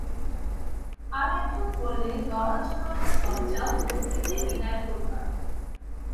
আর-একজন বললে, দরাজ নয় তো দরজা, লক্ষ্মীকে বিদায় করবার।